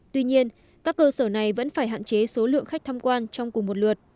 tuy nhiên các cơ sở này vẫn phải hạn chế số lượng khách tham quan trong cùng một lượt